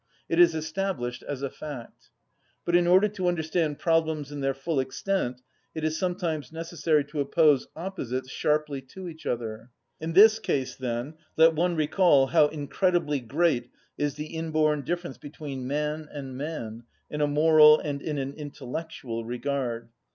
It is established as a fact. But in order to understand problems in their full extent it is sometimes necessary to oppose opposites sharply to each other. In this case, then, let one recall how incredibly great is the inborn difference between man and man, in a moral and in an intellectual regard.